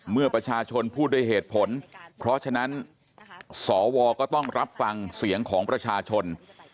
เมื่อประชาชนพูดด้วยเหตุผลเพราะฉะนั้นสวก็ต้องรับฟังเสียงของประชาชน